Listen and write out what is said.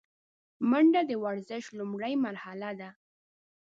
منډه د ورزش لومړۍ مرحله ده